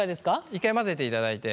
１回混ぜていただいて。